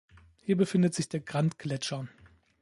Hier befindet sich der Grant-Gletscher.